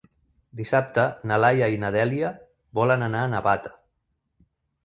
Dissabte na Laia i na Dèlia volen anar a Navata.